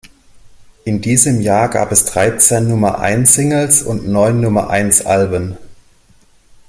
In diesem Jahr gab es dreizehn Nummer-eins-Singles und neun Nummer-eins-Alben.